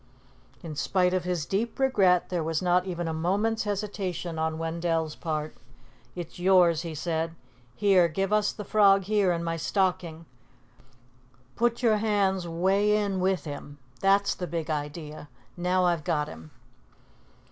In spite of his deep regret, there was not even a moment's hesitation on Wendell's part. "It's yours," he said. "Here, give us the frog here in my stocking. Put your hands 'way in with him. That's the big idea. Now I've got him."